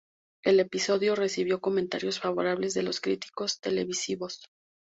El episodio recibió comentarios favorables de los críticos televisivos.